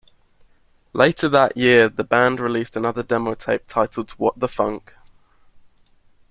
Later that year the band released another demo tape titled "What the Funk".